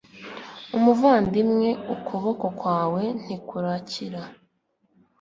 umuvandimwe ukuboko kwawe ntikurakira